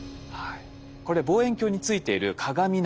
これ望遠鏡についている鏡なんですよ。